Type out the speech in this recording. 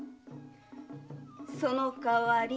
その代わり。